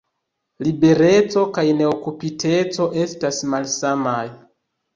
Libereco kaj neokupiteco estas malsamaj.